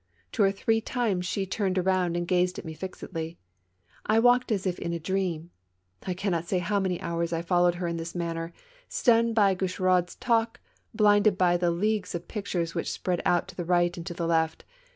Two or three times she turned around and gazed at me fixedly. I walked as if in a dream ; I cannot say how many hours I followed her in this manner, stunned by Gaucheraud's talk, blinded by the leagues of pictures which spread out to the right and the left.